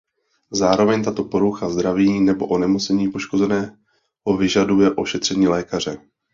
Zároveň tato porucha zdraví nebo onemocnění poškozeného vyžaduje ošetření lékaře.